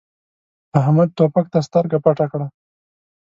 احمد توپک ته سترګه پټه کړه.